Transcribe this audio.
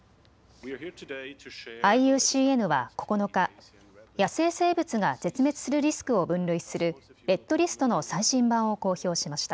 ＩＵＣＮは９日、野生生物が絶滅するリスクを分類するレッドリストの最新版を公表しました。